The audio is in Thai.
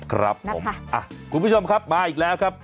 ครับผมคุณผู้ชมครับมาอีกแล้วครับ